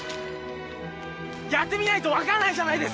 やってみないと分からないじゃないですか！